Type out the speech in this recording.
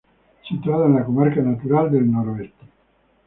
Situada en la comarca natural del Noroeste.